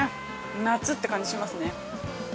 夏って感じ、しますね。